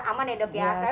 aman ya dok biasa